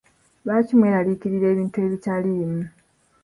Lwaki mweraliikirira ebintu ebitaliimu.